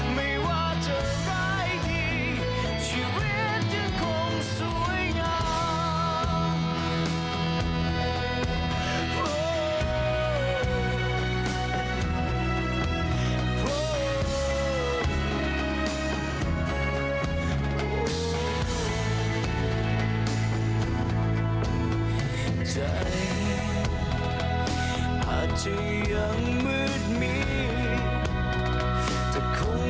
มันจะเตรียมประมาณสักครู่